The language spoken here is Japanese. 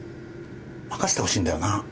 任せてほしいんだよな。